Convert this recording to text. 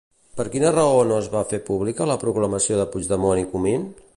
Per quina raó no es va fer pública la proclamació de Puigdemont i Comín?